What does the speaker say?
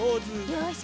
よし。